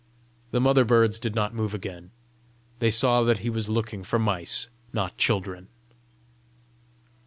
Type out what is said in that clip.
The mother birds did not move again; they saw that he was looking for mice, not children.